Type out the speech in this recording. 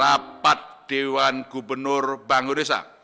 rapat dewan gubernur bangun desa